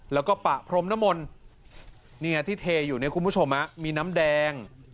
แล้วก็ปะพรมนมลที่เทอยู่เนี่ยคุณผู้ชมมีน้ำแดง